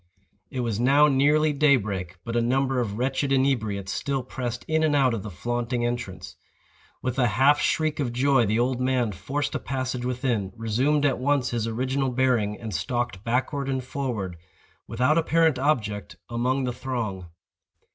It was now nearly day break; but a number of wretched inebriates still pressed in and out of the flaunting entrance. With a half shriek of joy the old man forced a passage within, resumed at once his original bearing, and stalked backward and forward, without apparent object, among the throng.